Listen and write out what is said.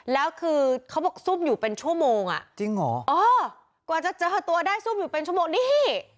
แล้วคือเขาบอกซุ่มอยู่เป็นชั่วโมงอ่ะจริงเหรออ๋อกว่าจะเจอตัวได้ซุ่มอยู่เป็นชั่วโมงนี่